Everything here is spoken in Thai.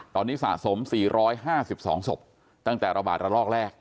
ตอนนี้สะสม๔๕๒ศพตั้งแต่ระบาดระลอกแรก